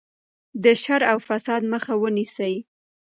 د شر او فساد مخه ونیسئ.